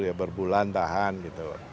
ya berbulan tahan gitu